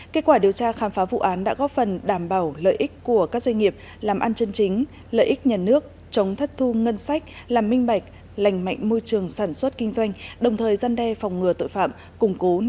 kết quả điều tra khám phá vụ án đã góp phần đảm bảo lợi ích của các doanh nghiệp làm ăn chân chính lợi ích nhà nước chống thất thu ngân sách